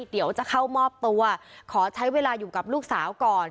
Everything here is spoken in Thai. เดี๋ยวจะเข้ามอบตัวขอใช้เวลาอยู่กับลูกสาวก่อน